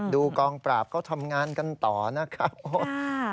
กองปราบเขาทำงานกันต่อนะครับ